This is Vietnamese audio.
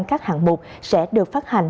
các hạng mục sẽ được phát hành